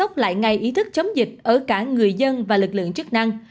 hà nội cần sốc lại ngay ý thức chống dịch ở cả người dân và lực lượng chức năng